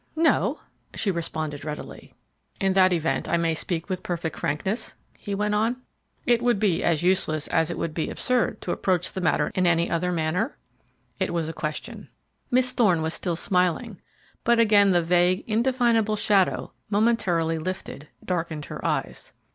"No," she responded readily. "In that event I may speak with perfect frankness?" he went on. "It would be as useless as it would be absurd to approach the matter in any other manner?" It was a question. Miss Thorne was still smiling, but again the vague, indefinable shadow, momentarily lifted, darkened her eyes.